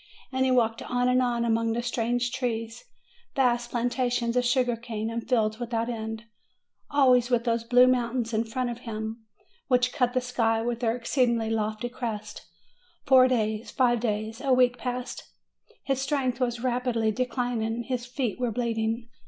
And he walked on and on, among strange trees, vast plantations of sugar cane, and fields without end, always with those blue moun tains in front of him, which cut the sky with their ex ceedingly lofty crests. Four days, five days a week, passed. His strength was rapidly declining, his feet were bleeding.